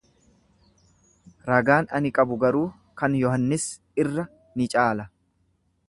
Ragaan ani qabu garuu kan Yohannis irra ni caala.